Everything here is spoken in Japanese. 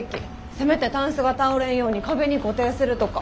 せめてタンスが倒れんように壁に固定するとか。